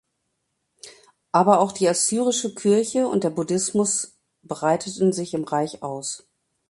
Aber auch die Assyrische Kirche und der Buddhismus breiteten sich im Reich aus.